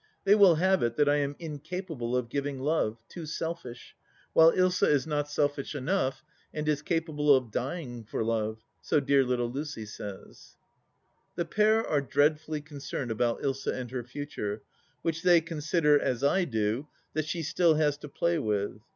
... They will have it that I am incapable of giving love — ^too selfish — while Ilsa is not selfish enough, and is capable of dying for love, so dear little Lucy says The pair are dreadfully concerned about Ilsa and her future, which they consider, as I do, that she still has to play with.